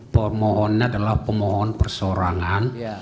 permohonan adalah permohonan persorangan